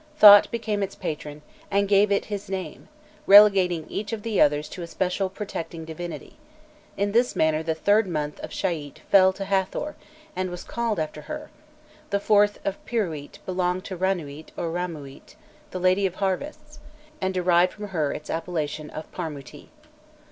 Thot became its patron, and gave it his name, relegating each of the others to a special protecting divinity; in this manner the third month of Shaît fell to Hathor, and was called after her; the fourth of Pirûît belonged to Ranûît or Ramûît, the lady of harvests, and derived from her its appellation of Pharmûti.